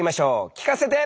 聞かせて！